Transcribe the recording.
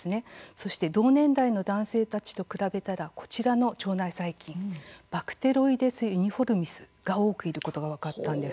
そして同年代の男性たちと比べたら、こちらの腸内細菌バクテロイデス・ユニフォルミスが多くいることが分かったんです。